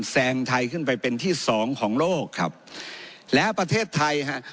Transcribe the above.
แซงไทยขึ้นไปเป็นที่สองของโลกครับแล้วประเทศไทยฮะ